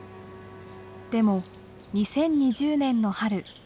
でも２０２０年の春。